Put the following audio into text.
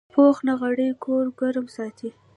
پوخ نغری کور ګرم ساتي